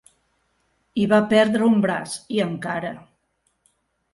Hi va perdre un braç, i encara!